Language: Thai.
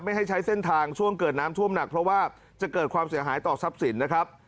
ให้ใช้เส้นทางช่วงเกิดน้ำท่วมหนักเพราะว่าจะเกิดความเสียหายต่อทรัพย์สินนะครับ